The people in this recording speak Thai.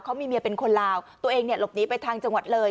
เขามีเมียเป็นคนลาวตัวเองเนี่ยหลบหนีไปทางจังหวัดเลย